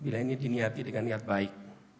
saya berhati dengan niat baik